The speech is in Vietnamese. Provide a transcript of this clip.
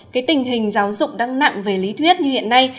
cái tình hình giáo dục đang nặng về lý thuyết như hiện nay